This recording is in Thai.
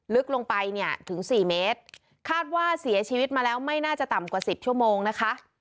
ลึกลงไปเนี่ยถึงสี่เมตรคาดว่าเสียชีวิตมาแล้วไม่น่าจะต่ำกว่าสิบชั่วโมงนะคะ